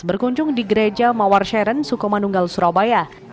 berkunjung di gereja mawar syeren sukumanunggal surabaya